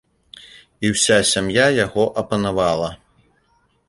І ўся сям'я яго апанавала.